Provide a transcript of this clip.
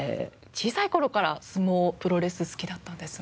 小さい頃から相撲プロレス好きだったんですね。